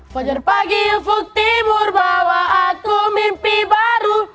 pajar pagi yuk timur bawa aku mimpi baru